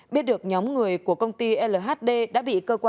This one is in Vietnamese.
biết được nhóm người của công ty lhd đã bị cơ quan